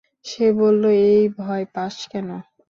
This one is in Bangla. সে বলল, এই, ভয় পাস কেন?